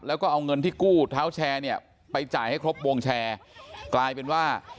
แล้วก็เอาเงินที่กู้เท้าแชร์เนี่ยไปจ่ายให้ครบวงแชร์กลายเป็นว่า